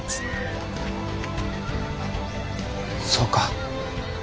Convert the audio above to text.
そうか。